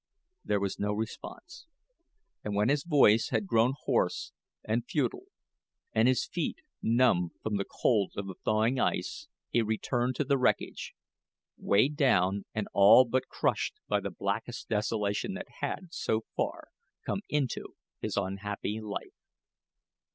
There was no response, and when his voice had grown hoarse and futile, and his feet numb from the cold of the thawing ice, he returned to the wreckage, weighed down and all but crushed by the blackest desolation that had, so far, come into his unhappy life.